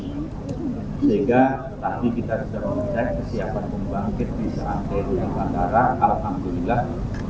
sehingga tapi kita sudah meminta kesiapan pembangkit di saat terima antara alhamdulillah